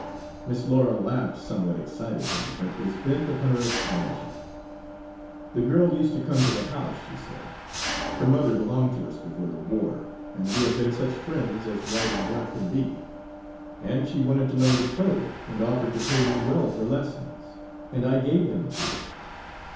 Miss Laura laughed somewhat excitedly, but was bent upon her explanation. "The girl used to come to the house," she said. "Her mother belonged to us before the war, and we have been such friends as white and black can be. And she wanted to learn to play, and offered to pay me well for lessons, and I gave them to her.